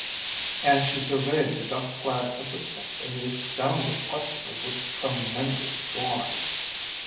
And she surveyed the duck clad assistants and the astounded customers with tremendous scorn.